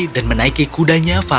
dan menaiki kudanya falada